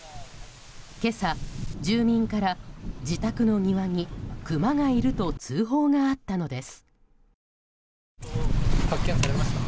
今朝、住民から自宅の庭にクマがいると通報があったのです。